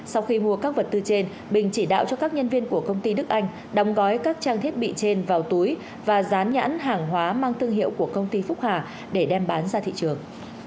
sau khi mua các vật tư trên bình chỉ đạo cho các nhân viên của công ty đức anh đóng gói các trang thiết bị trên vào túi và dán nhãn hàng hóa mang thương hiệu của công ty phúc hà để đem bán ra thị trường